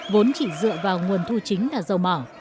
vốn chỉ dựa vào nguồn thu chính là dầu mỏ